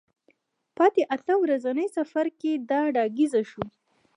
په اته ورځني سفر کې دا ډاګیزه شوه.